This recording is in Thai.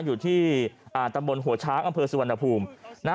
อยู่ที่ตำบลหัวช้างอำเภอสุวรรณภูมิ